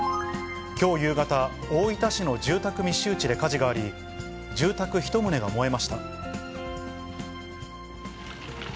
きょう夕方、大分市の住宅密集地で火事があり、住宅１棟が燃えました。